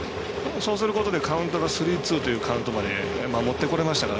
そうすることでカウントがスリーツーというカウントまでもってこれましたから。